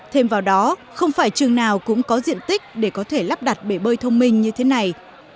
thêm vào đó không phải trường nào cũng có diện tích để có thể lắp đặt bể bơi thông minh như thế này